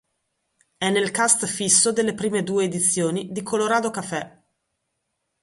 È nel cast fisso delle prime due edizioni di "Colorado Cafè".